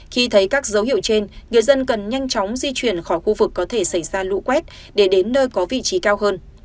khi thấy các dấu hiệu trên người dân cần nhanh chóng di chuyển khỏi khu vực có thể xảy ra lũ quét để đến nơi có vị trí cao hơn